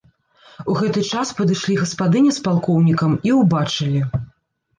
У гэты час падышлі гаспадыня з палкоўнікам і ўбачылі.